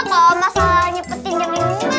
kalo masalah nyepetin jam lima